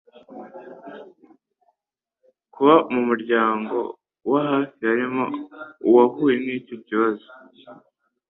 kuba mu muryango wahafi harimo uwahuye n'icyo kibazo